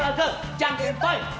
じゃんけんぽい！